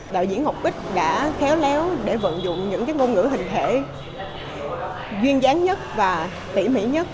đạo diễn ngọc bích đã khéo léo để vận dụng những ngôn ngữ hình thể duyên dáng nhất và tỉ mỉ nhất